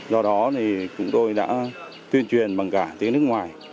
do đó thì chúng tôi đã tuyên truyền bằng cả tiếng nước ngoài